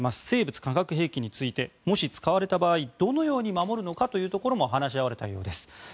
生物・化学兵器についてもし使われた場合どのように守るのかというところも話し合われたようです。